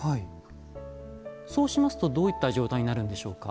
そうしますとどういった状態になるんでしょうか？